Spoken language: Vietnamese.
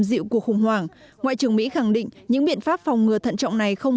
dịu cuộc khủng hoảng ngoại trưởng mỹ khẳng định những biện pháp phòng ngừa thận trọng này không